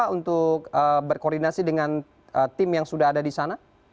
untuk berkoordinasi dengan tim yang sudah ada di sana